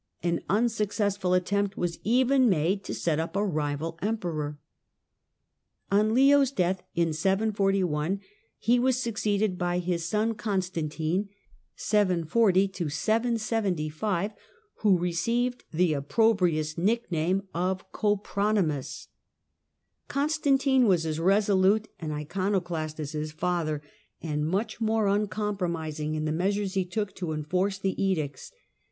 An msuccessful attempt was even made to set up a rival rmperor. On Leo's death, in 741, he was succeeded by his sonConstan onstantine, who received the opprobrious nickname of nymus, opronymus. Constantine was as resolute an Icono last as his father, and much more uncompromising in he measures he took to enforce the edicts.